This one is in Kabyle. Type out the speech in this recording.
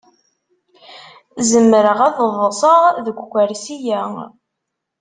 Zemreɣ ad ḍḍseɣ deg ukersi-a.